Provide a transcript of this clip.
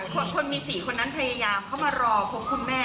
คนมี๔คนนั้นพยายามเข้ามารอพบคุณแม่